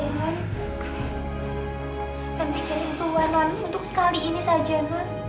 dan pikirin untuk wan wan untuk sekali ini saja wan